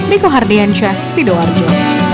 diko hardian syah sido arjo